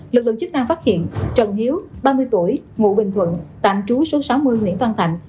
lực lượng chức năng phát hiện trần hiếu ba mươi tuổi ngụ bình thuận tạm trú số sáu mươi nguyễn văn thạnh